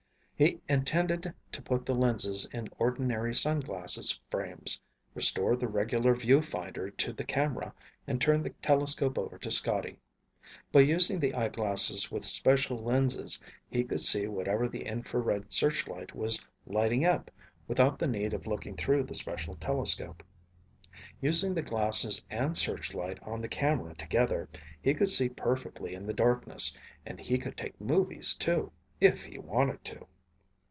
He intended to put the lenses in ordinary sunglasses frames, restore the regular view finder to the camera, and turn the telescope over to Scotty. By using the eyeglasses with special lenses he could see whatever the infrared searchlight was lighting up without the need of looking through the special telescope. Using the glasses and searchlight on the camera together, he could see perfectly in the darkness, and he could take movies, too, if he wanted to.